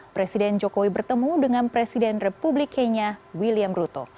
presiden jokowi bertemu dengan presiden republik kenya william ruto